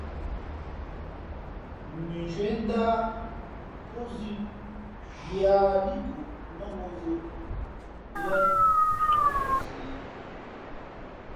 Mʉnzhwīē ndáh pózʉ̄ yāā līʼ kǔʼ mάŋū vʉʼʉ̄ lά a zī.